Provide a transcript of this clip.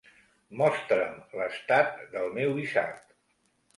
Mostra'm l'estat del meu visat.